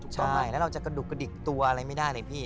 ไม่แล้วเราจะกระดุกกระดิกตัวอะไรไม่ได้เลยพี่